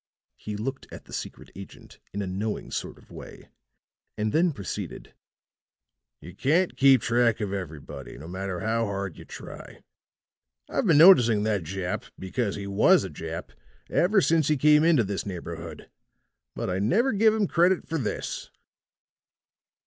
He looked at the secret agent in a knowing sort of way, and then proceeded: "You can't keep track of everybody, no matter how hard you try. I've been noticing that Jap, because he was a Jap, ever since he came into this neighborhood, but I never give him credit for this."